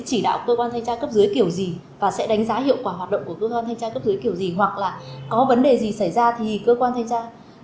học động của cơ quan thanh tra cấp dưới kiểu gì hoặc là có vấn đề gì xảy ra thì cơ quan thanh tra